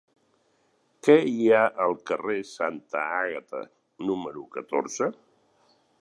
Què hi ha al carrer de Santa Àgata número catorze?